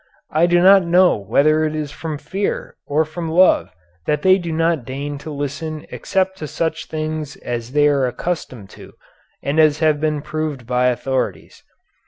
I do not know whether it is from fear or from love that they do not deign to listen except to such things as they are accustomed to and as have been proved by authorities.